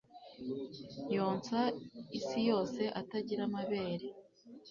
Yonsa isi yose atagira amabere